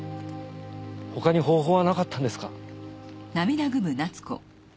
他に方法はなかったんですか？